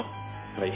はい。